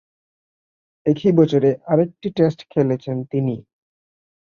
একই বছরে আর একটি টেস্ট খেলেছেন তিনি।